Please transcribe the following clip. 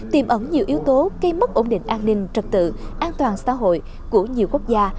tìm ẩn nhiều yếu tố gây mất ổn định an ninh trật tự an toàn xã hội của nhiều quốc gia